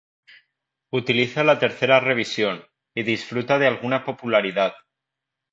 Utiliza la tercera revisión, y disfruta de alguna popularidad.